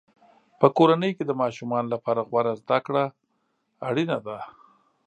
په کورنۍ کې د ماشومانو لپاره غوره زده کړه اړینه ده.